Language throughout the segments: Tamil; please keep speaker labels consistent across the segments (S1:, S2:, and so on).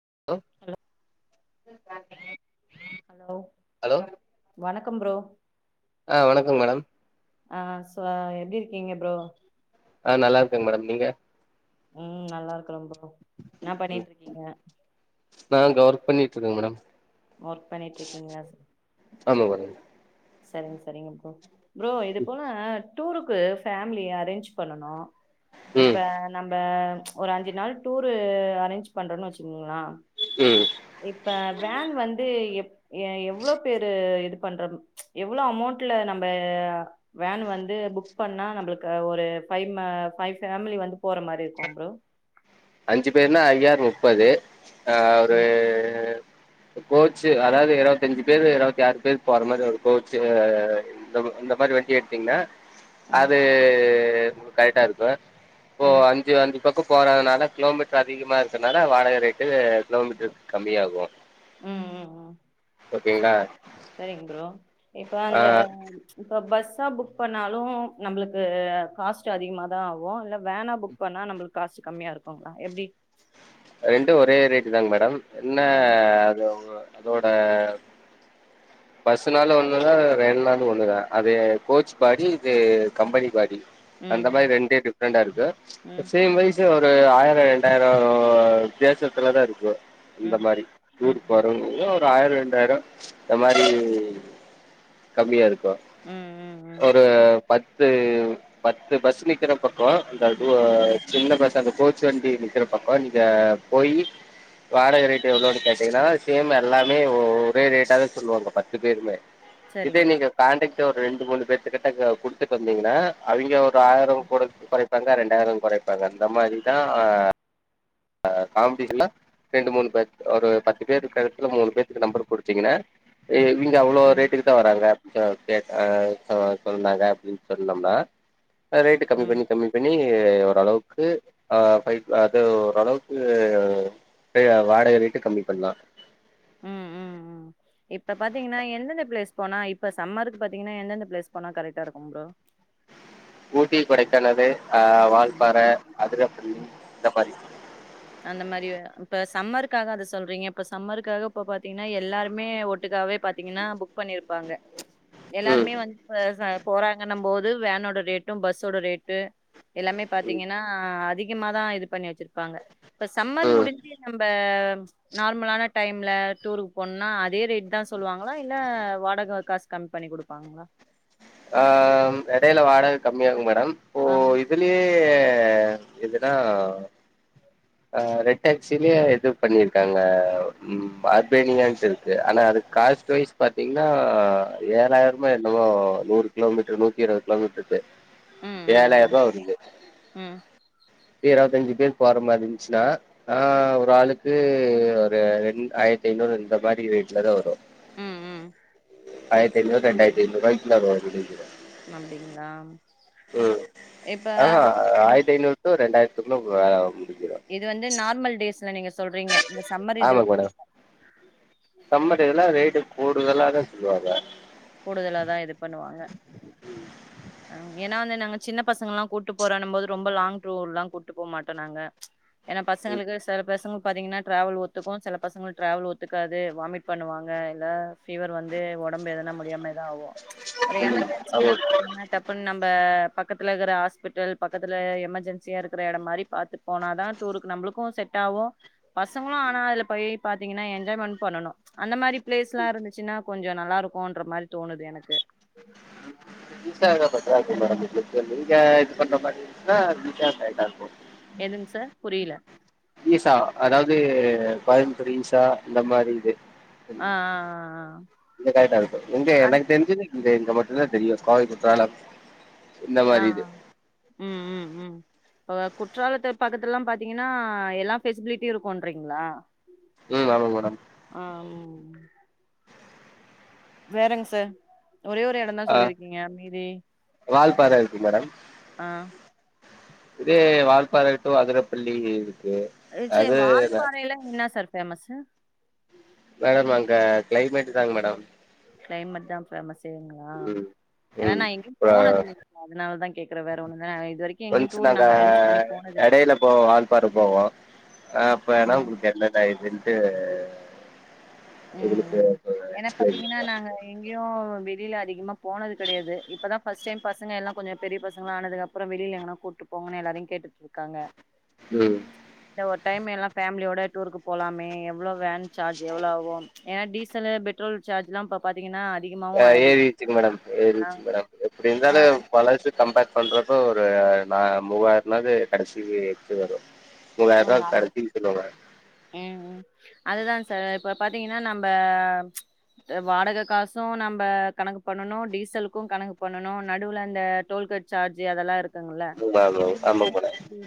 S1: ஆப் [inaudible]
S2: ஹலோ வணக்க கம் ப்ரோ
S1: ஆஹ் வணக்கம் மேடம்
S2: ஆஹ் சோ எப்டி இருக்கீங்க ப்ரோ
S1: ஆஹ் நல்லா இருக்கங்க மேடம் நீங்க
S2: உம் நல்லா இருக்கற ப்ரோ என்ன
S1: ம்
S2: பண்ணிட்டு இருக்கீங்க
S1: நா இங்க ஒர்க் பண்ணிட்டு இருக்கங்க மேடம்
S2: ஒர்க் பண்ணிட்டு இருக்கீங்க ச்
S1: ஆமாங்க மேடம்
S2: செரிங்க செரிங்க ப்ரோ ப்ரோ இது போல டூருக்கு ஃபேமிலியா அரேஞ்ச் பண்ணனு
S1: ம்
S2: இப்ப நம்ப ஒரு அஞ்சு நாள் டூரு அரேஞ்ச் பண்றோனு வச்சுக்கோங்களா
S1: ம்
S2: இப்ப வேன் வந்து எம் ஏ எவ்ளோ பேரு இது பண்ற எவ்ளோ அமௌண்ட்ல நம்ப வேன் வந்து புக் பண்ணா நம்மளுக்கு ஒரு ஃபைம்மு ஃபை பேமிலி வந்து போற மாரி இருக்கு ப்ரோ
S1: அஞ்சு பேருனா ஐயார் முப்பது ஆஹ் ஒரு
S2: ம்
S1: கோச்சு அதாது இருவத்தஞ்சி பேரு இருவத்தி ஆறு பேரு போற மாரி ஒரு கோச்சு இந்த இந்த மாதிரி வண்டி எடுத்தீங்கன்னா
S2: ம்
S1: அது து உங்களுக்கு கரெக்டா இருக்கு ஓ
S2: ம்
S1: அஞ்சு அஞ்சு பக்கோ போறதுனால கிலோமீட்டர் அதிகமா இருக்கனால வாடக ரேட்டு கிலோமீட்டர்க்கு கம்மி ஆகு
S2: உம் செரிங்க ப்ரோ இப்ப அந்த
S1: ஆ
S2: ம் இப்ப பஸ்ஸா புக் பண்ணாலு நம்ளுக்கு காஸ்ட் அதிகமாதா ஆகு இல்ல வேனா புக் பண்ணா நம்ளுக்கு காஸ்ட் கம்மியா இருக்குங்களா எப்டி
S1: ரெண்டு ஒரே ரேட்டு தாங்க மேடம் என்ன
S2: ஆ
S1: அது உங்க அதோட பஸ்னாலு ஒன்னுதா வேன்னாளு ஒன்னுதா அது கோச் பாடி இது கம்பெனி பாடி அந்த
S2: ம்
S1: மாரி ரெண்டு டிஃப்ரெண்டா இருக்கு
S2: ம்
S1: சேம் வைஸ் ஒரு ஆயிரோ ரெண்டாயிரோ இப்ப வித்தியாசத்துல தா இருக்கு அந்த
S2: ம்
S1: மாரி டூர்
S2: ம்
S1: போரவங்க்ளியு ஆயிரொ ரெண்டாயிரொ இந்த மாரி கம்மியா இருக் கு
S2: ம் ம் ம் ம்
S1: ஒரு பத்து பத்து பஸ் நிக்கிறப் பக் கோ இந்த டூ
S2: ம்.
S1: சின்ன பஸு அந்த கோச் வண்டி நிற்கிறப்பக் கொஞ்சிக்க போயி வாடக ரேட்டு எவ்ளோன்னு கேட்டீங்கன்னா சேம் எல்லாமே ஒ ஒரே ரேட்டா தா சொல்லுவாங்க பத்து பேருமே இதே
S2: சரிங்க
S1: நீங்க காண்டெக்ட் டு ஒரு ரெண்டு மூணு பேத்துக்கிட்ட த குடுத்துட்டு வந்தீங்ன்னா அவிங்க ஒரு ஆயிர குடு கொறைப்பாங்க ரெண்டாயிர கொறைப்பாங்க அந்த மாரிதா ஆஹ் அ காம்ப்டி ஃபுல்லா ரெண்டு மூணு பேத் ஒரு பத்து பேருக்கத்துல மூணு பேத்துக்கு நம்பர் குடுத்திங்கன்னா எ இங்க அவ்ளோ
S2: ம்
S1: ரேட்டுக்கு தா வராங்க ஆஹ் கேட் ஆஹ் ஆஹ் சொன்னாங்க அப்டின் சொன்னம்ன்னா ஆஹ் ரேட்டு கம்மி
S2: ம்
S1: பண்ணி கம்மி பண்ணி ஏ ஓரளவுக்கு ஆஹ் பை அது ஓரளவுக்கு பே வாடக ரேட்டு கம்மி பண்லா
S2: உம் உம் உம் இப்ப பாத்தீங்கன்னா எந்தெந்த பிளேஸ் போனா இப்ப சம்மருக்கு பாத்தீங்கன்னா எந்தெந்த பிளேஸ் போனா கரெட்டா இருக்கும் ப்ரோ
S1: ஊட்டி கொடைக்கானலு ஆஹ் வாழ்பாற
S2: ம்
S1: அதிரப்பள்ளி இந்த மாரி
S2: அந்த மாரி இப்ப சம்மருக்காக அத சொல்றீங்க இப்ப சம்மருக்காக இப்ப பாத்தீங்ன்னா எல்லாருமே ஒட்டுக்காவே பாத்தீங்கன்னா புக் பண்ணிருப்பாங்க
S1: ம்
S2: எல்லாருமே வந் [unintelligible] போறாங்கன்ன போது வேனோட ரேட்டும் பஸ்ஸோட ரேட்டு எல்லாமே பாத்தீங்கன்னா அதி கமா தா இது பண்ணி வச்சிருப்பாங்க இப்ப சம்மர்
S1: ம்
S2: முடிஞ்சி நம்ப ம் நார்மலான டைம்ல டூருக்கு போனுனா அதே ரேட் தா சொல்வாங்களா இல்ல வாடக காஸ் கம் பண்ணி குடுப்பாங்களா
S1: ஆஹ் ம் எடையில வாடக கம்மியாகு மே டம் இப்போ
S2: ஆ
S1: இதிலே யே எதுனா ஆஹ் ரெட் டேக்சிலயே இது பண்ணிருக்காங்க ம் அர்பேனியாஸின்று ஆனா அதுக்கு காஸ்ட்வைஸ் பாத்தீங்ன்னா ஏழாயிரமோ என்னமோ நூறு கிலோமீட்ரு நூத்திருவது கிலோமீட்ருக்கு
S2: ம் ம்
S1: ஏழாயிரூவா வருது
S2: ம்
S1: இரவத்தஞ்சி பேர் போற மாரிஞ்ச்சுன்னா ஆஹ் ஒரு ஆளுக்கு ஒரு ரெண் ஆயிரத்தி ஐநூறு இந்த மாரி ரேட்ல தா வரு
S2: ம் ம்
S1: ஆய்ரத்தி ஐநூறு ரெண்டாயிரத்தி ஐநூறுவாய்க் [unintelligible]
S2: அப்டிங்ளா
S1: உம் ஆஹ்ஹ ஆய்ரத்தி ஐநூறு டூ ரெண்டாயித் துகுல்ல ஒங்க வேல மு
S2: இது வந்து நார்மல் டேஸ்ல நீங்க சொல்றீங்க இந்த சம்மர் இதுல
S1: ஆமா மேடம் சம்பட்லா ரேட்டு கூடுதுல்லத செய்வாங்க
S2: கூடுதலாதா இது பண்ணுவாங்க அஹ் ஏன்னா வந்து சின்ன பசங்கல்லா கூட்டு போறன்னு போது ரொம்ப லாங் டூர்லா கூட்டு போமாட்ட நாங்க ஏன்னா பசங்களுக்கு சில பேசங்களு பாத்தீங்கன்னா டிராவல் ஒத்துக்கு சில பசங்களு டிராவல் ஒத்துக்காது வாமிட் பண்ணுவாங்க இல்ல ஃபீவர் வந்து ஒடம்பு எதனா முடி டியாம தா ஆவு ஒரு
S1: ஆமா
S2: எமர்ஜென்சின்னா பாத்தீங்ன்னா ட்ப்புன் நம்ப பக்கத்துல இருகிற ஹாஸ்பிட்டல் பக்கத்துல எமர்ஜென்சியா இருக்கிற எடோ மாரி பாத்துட் போனா தா டூருக்கு நம்ப்ளுக்கு செட் ஆவு பசங்களு ஆனா அதுல போய் பாத்தீங்கன்னா என்ஜாய்மெண்ட் பண்ணனு அந்த மாரி பிளேஸ்லா இருந்துச்சின்னா கொஞ்சோ நல்லாருக்கோன் ருக்குற மாரி தோணுது எனக்கு
S1: இப்பே நீங்க இது பண்ற மாரி இருந்துச்சுனா ஈசா [unintelligible] தா இருக்கு
S2: என்னங் சார் புரியல
S1: ஈசா அதாவ்து கோயம்புத்தூர் ஈசா இந்த மாரி இது
S2: ஆ
S1: இது கரெட்டா இருக்கு இங்க
S2: ஆ
S1: எனக் தெர்ஞ்சது இங்க இத மட்டு தா தெரியு கோவை குற்றாலம் இந்த
S2: ஆ அ
S1: மாரி இது
S2: ம் ம் ம் இப்ப குற்றாலத்து பக்கத்துல்லா பாத்தீங்கன்னா எல்லா ஃபெஸ்பிலிட்டியு இருக்குன்றீங்களா
S1: ம் ஆமாங்க மேடம்
S2: ஆ ம் வேறெங் சார் ஒரே ஒரு எடோ தா
S1: ஆ
S2: சொல்லியிருக்கீங்க மீதி
S1: வால்பாற இருக்கு மேடம்
S2: ஆ
S1: இதே வால்பாற டு அதிரப்பள்ளி இருக்கு
S2: அ செரி
S1: அது
S2: வால்பறைல்லா இன்னா சார் ஃபேமஸு
S1: மேடம் அங்க க்ளைமேட்டு தாங்க மேடம்
S2: க்ளைமேட் தா ஃபேமஸ் அப்டிங்ளா
S1: ம்
S2: ஏன்னா
S1: ம்
S2: நா எங்கியு
S1: அ
S2: போனது இல்லங்க அதனாலதா கேக்குற வேற ஒன்னு இல்ல [unintelligible]
S1: ஃபரெண்ஸ் நாங்க எடையில போவோம வால்பாற போவோ அ அப்ப வேனா
S2: ம்
S1: உங்குளுக்கு என்ன டைம்ன்டு
S2: ம் ம் ஏன்னா
S1: எக்ஸ்பிளைன்
S2: பாத்தீங்கன்னா
S1: பண்றே
S2: நாங்க எங்க்யு வெளியில அதிகமா போனது கெடையாது இப்பதான் ஃபஸ்ட் டைம் பசங்க எல்லா கொஞ்சோ பெரிய பசங்களா ஆனது அப்புறோ வெளில எங்கனா கூட்டு போங்கன்னு எல்லாரையு கேட்டுட்டுருக்காங்க
S1: ம்
S2: டைம் எல்லா ஃபேம்லியோட டூருக்கு போலாமே எவ்ள வேன் சார்ஜ் எவ்ளோ ஆகு ஏன்னா டீசலு பெட்ரோல் சார்ஜ்லா இப்ப பா்த்தீங்கன்னா
S1: அ ஏறிச்சுங்க மேடம் ஏறிச்சு மேடம் எப்படி
S2: ஆ
S1: இருந்தாலு பலசு கம்பேர் பண்றப்போ ஒரு நா மூவாயிர்னாது கடசி எத்து வரோ
S2: உம் அ உம் உம் அதுதா சார் இப்ப பாத்தீங்னா நம்ப ச்ச த வாடக காசோ நம்ப கணக் பண்ணனு டீசலுக்கு கணக் பண்ணனு நடுவுல அந்த டோல்கட் சார்ஜு அதெல்லா இருக் காங்கள
S1: ஆமா
S2: இப்
S1: ஆமாங்க மேடம்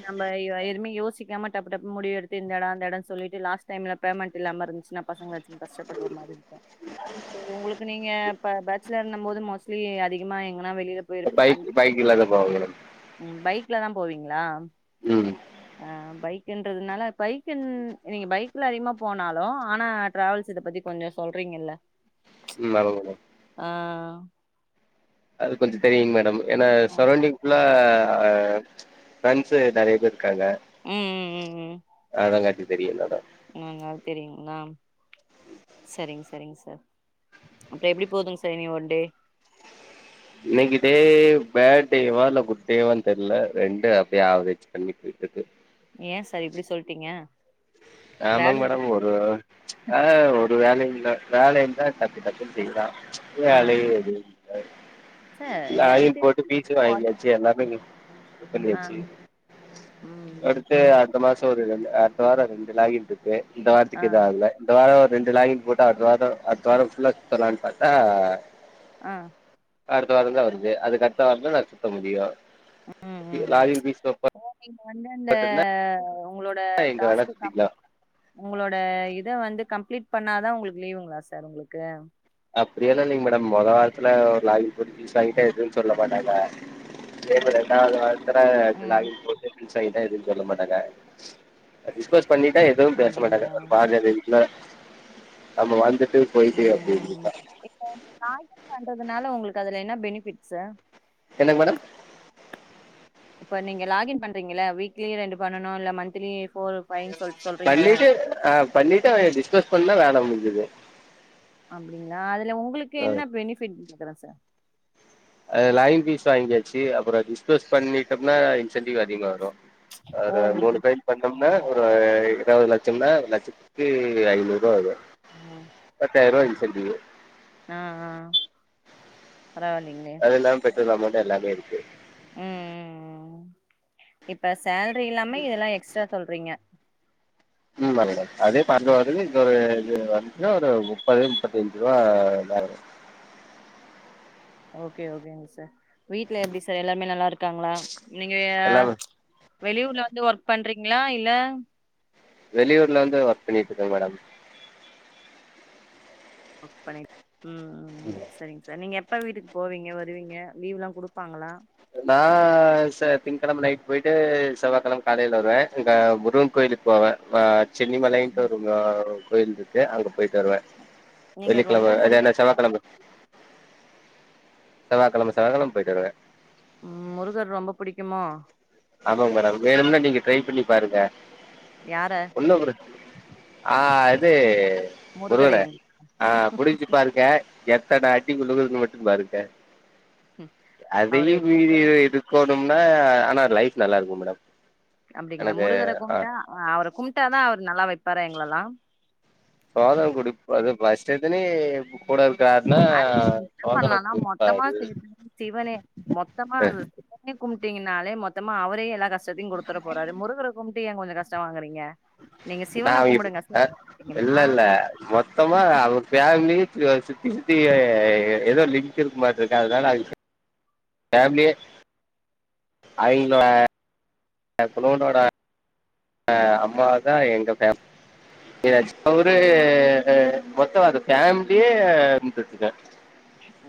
S2: நம்ம [unintelligible] எதுமே யோசிக் யாம டப் டப்ன்னு முடியெடுத்து இந்தடோ அந்தடோனு சொல்லிட்டு லாஸ்ட் டைம்ல பேமெண்ட் இல்லாம இருந்துச்சு சின்ன பசங்கள சின்னு கஷ்டப்படுற மாரி இல்ல செரி உங்குளுக்கு நீங்க இப்ப பேச் ல இர்ந்தம் போது மோஸ்ட்லி அதிகமா எங்கனா வெளில போயிருது அன்
S1: பைக் பைக் இல்லாத போவாங்க மேடம்
S2: உம் பைக் ல தா போவீங்ளா
S1: உம்
S2: பைக்கின்றதுனால பைக்கின் நீங்க பைக்ல அதிகமா போனாலோ ஆனா டிராவல்ஸ் இத பத்தி கொஞ்ச சொல்றீங்கில்ல
S1: உம் [unintelligible]
S2: ஆ
S1: அது கொஞ்சோ தெரியின் மேடம் ஏனா
S2: ம்
S1: சரௌண்டிங் ஃபுல்லா ஆ ச்ச ஃப்ரெண்ட்ஸ்சு நெறைய பேர் காங்க
S2: உ
S1: ஆலங்கட்டி தெரியுதான
S2: நாங்க தெரியுங்க நாம் செரிங்க செரிங்க சார் அப்புற எப்டி போதுங்க சா இனி ஒன்டே
S1: இன்னிக்கு டே பேட் டேவா இல்ல குட் டேவான்னு தெர்ல ரெண்டு அப்டே ஆவுரேஜ் பண்ணி போயிற்றுக்கு
S2: ஏ சார் இப்டி சொல்ட்டீங்க
S1: ஆமாங்
S2: பேடு
S1: மேடம் ஒரு ச்ச ஆ ஒரு வேலயு த வேல இருந்தா டக்கு டக்குன்னு செய்லா ச்ச
S2: ஆ
S1: வேலயே எதுவு ஆ
S2: சார் எனக்கு
S1: லாகின் போட்டு பீச்சு
S2: தெரிஞ்சு ஒர்க்
S1: வாங்கியாச்சு எல்லாமே இங்க
S2: ஆ
S1: பண்ணியாச்சு
S2: ம் ம்
S1: அடுத்து அ இந்த மாசோ ஒரு ரெண்டு ஆ இந்த வார ரெண்டு லாகின் இர்க்கு இந்த
S2: ஆ
S1: வார்திக்கு எதோ ஆகல இந்த வாரோ ரெண்டு லாகின் போட்டா அடுத்த வார அடுத்த வார ஃபுல்லா [unintelligible] லான் பாத்தா
S2: ஆ
S1: அடுத்த வாரோந்தா வருது அதுக்கட்த்த வார்தா நா சுத்த முடியு பீ லாகின் [unintelligible]
S2: நீங் வந்தந்த உங்ளோட
S1: எங்க வேணா
S2: டாஸ்க்கு கம்
S1: சுத்திக்கலாம்
S2: உங்ளோட இத வந்து கம் ப்ளீட் பண்ணாதா உங்களுக்கு லீவுங்ளா சார் உங்களுக்கு
S1: அப்பிடியெல்லா இல்லைங்க மேடம் மொத வாரத்துல ஒரு லாகின் போட்டு ஃபீஸ் வாங்கிட்டா எதுவு சொல்ல மாட்டாங்க அதேமாறி ரெண்டாவது வார த்துல
S2: ம்
S1: லாகின் போட்டு பிரண்ட்ஸ் வாங்கிட்டா எதுவு சொல்ல மட்டாங்க அ டிஸ்பஸ் பண்ணிட்டா எதுவு பேச மாட்டாங்க
S2: அப்டிங்களா
S1: ஒரு பாஞ்சா தேதி இல்ல நம்ம வந்து போய்ட்டே
S2: ம்
S1: அப்டி
S2: ம் இப்ப லாகின் பண்றதுனால உங்களுக்கு அதுல என்ன பெனிபிட்ஸு
S1: என்னங்க மேடம்
S2: இப்ப நீங்க லாகின் பண்றீங்கள்ள வீக்லி ரெண்டு பண்ணனு இல்ல மன்த்லி
S1: பண்ணிட்டு அ பண்ணிட்டு அவிக டிஸ்பர்ஸ் பண்ண வே ல முடிஞ்சுது
S2: அப்டிங்ளா அது இல்ல உங்களுக்கு என்ன பெனிஃபிட் க்குற சார்
S1: அதுல லாகின் ஃபீஸ் வாங்கியாச்சு அப்பறோ டிஸ்பஸ் பண்ணிட்டம்னா இன்சென்டிவ் அதிகமா வரு
S2: ஓ
S1: ஒரு மூணு
S2: உங்களுக்கு
S1: டைம் பண்ணம்னா ஒரு எ இருவது லட்சம்னா லட்சத்துக்கு ஐநூரூவா வரு பத்தாயரூவா இன் செண்டிவ்
S2: ஆ ஆ பரவாலைங்ளே
S1: நம்மட்ட எல்லாமேருக்கு
S2: ம் ம் ம் இப்ப ஸ் சேல்ரி இல்லாம இதெல்லா எக்ஸ்ட்ரா சொல்றீங்க
S1: ம் ஆமாங்க மேம் அதே அதை பார்முலாடது இந்த ஒரு இது வந்ச்சுன்னா ஒரு மு முப்பதி முப்பத்தஞ்சு ரூவா [unintelligible]
S2: ஓகே ஓகேங்க சார் வீட்ல எப்டி சார் எல்லாருமே நல்லாருக்காங்ளா நீங்க
S1: எல்லாமே
S2: ச் வெளியூர்ல வந்து வொர்க் பண்றீங்ளா இல்ல
S1: வெளியூர்ல வந்து ஒர்க் பண்ணிட்டுருக்கங் மேடம்
S2: குக் பண்ணீடு ம் ம் ம் சரிங்க சார் நீங்க எப் அப்பா வீட்டுக்கு போவீங்க வருவீங்க லீவ் எல்லா கொடுப்பாங்களா
S1: நா சே திங்க்கெழம நைட் போயிட்டு செவ்வாக்கெழம காலேல வருவே இங்க முருகன் கோயிலுக்கு போவே ஆ சென்னி மலைன்டு ஒரு மா கோயில் இருக்கு அங்க போயிட்டு வருவே
S2: நீங்க ரொம்ப
S1: வெள்ளிக்கிழம
S2: முருகன்
S1: இல்லன்னா செவ்வாகிழம செவ்வாக்கழம செவ்வாக்கழம போயிட்டு வருவ
S2: உம் முருகர் ரொம்ப புடிக்குமோ
S1: ஆமாங்க மேடம் வேணும்னா நீங்க ட்ரை பண்ணி பாருங்க
S2: யார
S1: ஒன்னு ஒரு ஆ இது
S2: முருகர
S1: முருகன
S2: எங்
S1: ஆ புடிச்சு பாருங்க எத்தன அடி விழுகுதுனு மட்டும் பாருங்க
S2: ம் அவரு
S1: அதையும் மீறி
S2: குடுக்குற
S1: இது எதுக்கோ னும்ன ஆனா லைப் நல்லா இருக்கு மேடம்
S2: அப்படிங்களா
S1: எனக்கு
S2: முருகர
S1: ஆ
S2: கும்ட்டா அவர கும்ட்டா தா அவர் நல்லா வெப் பரங் எங்ளாலா
S1: சோதம் குடி அது பஸ்ட தினி கூட இருக்கு
S2: அதுக்கு நீ என்ன பண்ணலனா மொத்தமா
S1: குடுப்பாரு
S2: சே சிவனே மொத்தமா சிவனே கும் டீங்கனாலே மொத்தமா அவரே எல்லா கஸ்ட் சத்தியாங் கொடுத்தட போறாரு முருகர கும் டி ஏ கொஞ்சோ கஷ்டமா இக்குறீங்க
S1: நா அவிங் ஆஹ்
S2: கும்ட்டீங்கன்னா
S1: இல்ல இல்ல மொத்தமா அவங் ஃபேமிலி சுத்தி அப்டியே ஏதோ லிங் இருக்குமாட்ருக்க அதனால அது ஃபேமிலியே ஐங்கள என் குலனோட அஹ் அம்மா தான் எங்க ஃபேமி அவரு மொத்தம் அது ஃபேமிலியே இருந்துட்டுக்கேன்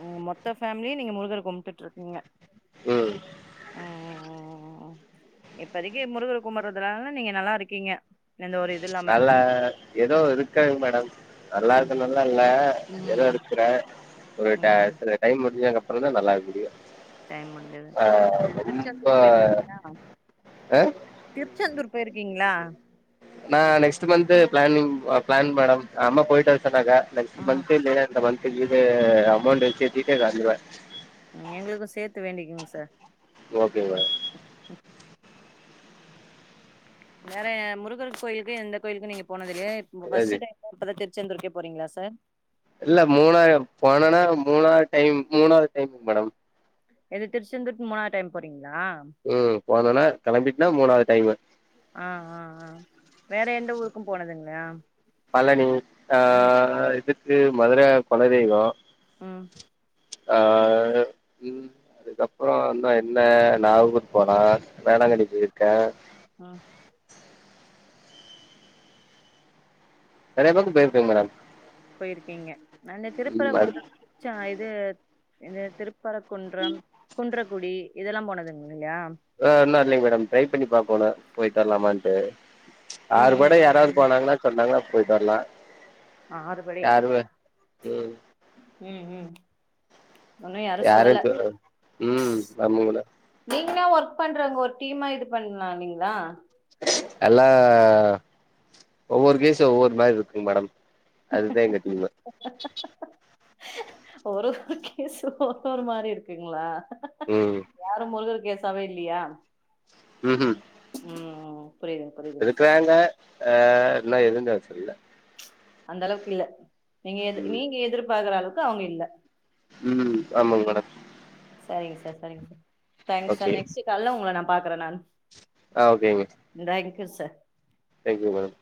S2: உ மொத்த ஃபேமிலியே நீங்க முருகர் கும்ட்டுட்டு இருக்கீங்க
S1: உம்
S2: உம் உம உம் உம் இப்பதைக்கு முருகர் கும்பிடறதுல நீங்க நல்லா இருக்கீங்க எந்த ஒரு இது இல்லாம
S1: நல்ல ஏதோ இருக்காங்க மேடம் நல்லா இருக்கு
S2: ம்
S1: நல்லா இல்ல ஏதோ
S2: ம்
S1: இருக்குறேன் ஒரு
S2: ம்
S1: டைம் புடிஞ்சங்க அப்புறம் தா நல்லா இருக்க முடியும்
S2: டைம் முடிஞ்சது
S1: ரொம்ப
S2: திருச்செந்தூர் போயிருக்கீங்களா
S1: ஆ
S2: திருச்செந்தூர் போயிருக்கீங்களா அஹ
S1: நா next month planning plan madam அஹா அம்மா போயிட்டு தடக நெக்ஸ்ட்
S2: ம்
S1: மந்து இல்லினா இந்த மந் திகிதே அமௌண்ட் சேத்திட்டே வந்துருவ
S2: உம் எங்குளுக்கு சேத்து வேண்டிக்கோங்க சார்
S1: ஓக்கேங்க
S2: வேற முருகர் கோயிலுக்கு எந்த கோயிலுக்கு நீங்க போனதுலியா இப்ப
S1: சரி
S2: ஃபர்ஸ்ட்டு டைமு பாப்பதுக்கு ச்சந்தூருக்கே போறீங்களா சார்
S1: இல்ல மூணாயிறம் போனனா மூணாவது டைம் மூணாவது டைமு மேடம்
S2: இது திருச்செந்தூருக்கு மூணா டைம் போறீங்
S1: உம் போனேனா கிளம்பிட்டுனா மூணாவது டைமு
S2: ஆஹா அஹா அஹா வேற எந்த ஊருக்கும் போனதுங்கிலா
S1: பழனி ஆஹா இதுக் இது மதுர குல தெய்வோ
S2: உம்
S1: ஆஹா உம் அதுக்கப்புறோ எந்த என்ன நாகூர் போனா
S2: ம்
S1: வேளாங்கண்ணி போயிருக்கே
S2: ம்
S1: எல்லா பக்கு போயிருக்கேங் மேடம்
S2: போயிருக்கீங்க நானு
S1: ம் அது
S2: திருப்புராகுன்றம் ச்சாயிது தேத் ஏது திருப் பறகுன்றம் குன்றம் குடி இதெல்லா போனதுங்
S1: அஹா இன்னு இல்லைங் மேடம் ட்ரை பண்ணி பாக்கோணு போயிட் வரலாமான்ட்டு
S2: ம்
S1: ஆறு
S2: ம்
S1: படை
S2: ம்
S1: யாராவது போனாங்குன்னா சொன்னாங்க போய்ட் வர்லா
S2: ஆறுபடைக் ச்சு
S1: ம்
S2: உம் உம்
S1: யாரைமித்த உம் நம் இதுல
S2: ஒன்னா ஒர்க் பண்றாவுங்க ஒர் டீம்மா இது பண்லாலீங்களா
S1: அல்லா ஒவ்வொரு கேசு ஒவ்வொரு மாரி இருக்குங் மேடம் அதுதா எங்க டீமே
S2: ஒர் ஒரு கேசு ஒவ்வொரு மாரி இருக்குங்களா
S1: ம்
S2: யாரு முருகர் கேச் சவேலியா
S1: உஹம் உஹம்
S2: புரியுதுங்க புரியுதுங்க சார்
S1: இருக்குறாங்க ஆஹ் நம்ம ஏதும் பேச இல்ல
S2: அந்த அளவுக்கு இல்ல நீங்க எ நீங்க எதிர்பு பாக்கற அளவுக்கு அவங்க இல்ல
S1: உம் ஆமாங்க மேடம்
S2: செரிங்க சார் செரிங்க சார் தேங்க் சார் நெக்ஸ்ட கால்ல உங்கள நா பாக்குறேன் நானு
S1: ஆஹ் ஓகேங்க
S2: ச
S1: தேங்க்யூ மேடம்